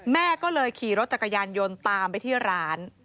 แม่ก็เลยขี่รถจักรยานยนต์ตามไปที่ร้าน